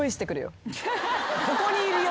ここにいるよ。